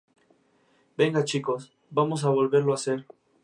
venga, chicos, vamos a volverlo a hacer